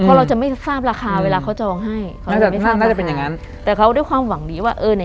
เพราะเราจะไม่ทราบราคาเวลาเขาจองให้เขาน่าจะไม่ทราบน่าจะเป็นอย่างนั้นแต่เขาด้วยความหวังดีว่าเออใน